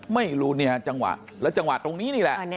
ไม่รู้เนี่ยจังหวะแล้วจังหวะตรงนี้นี่แหละ